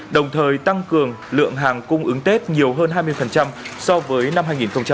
đồng thời tăng cường lượng hàng cung ứng tết nhiều hơn hai mươi so với năm hai nghìn một mươi chín